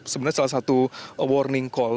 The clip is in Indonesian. sebenarnya salah satu warning call